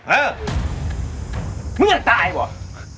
เออมึงจะตายหว่ะ